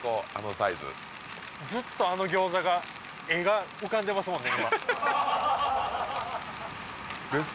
ずっとあの餃子が画が浮かんでますもんね